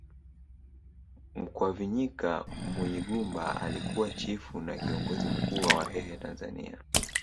Mkwavinyika Munyigumba alikuwa chifu na kiongozi mkuu wa Wahehe Tanzania